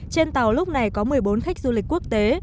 trên tàu lúc này có một mươi bốn khách du lịch quốc tế